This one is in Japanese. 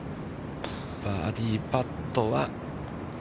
バーディーパットは。